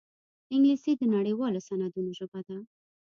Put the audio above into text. انګلیسي د نړيوالو سندونو ژبه ده